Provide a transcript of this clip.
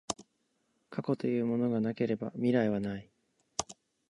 過去というものがなければ未来はない。